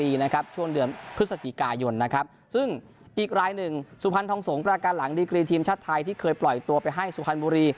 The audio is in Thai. และสุดเมืองทองยุนไปนะครับ